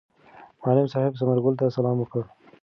معلم صاحب ثمر ګل ته سلام وکړ.